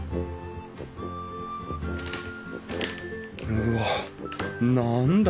うわっ何だ？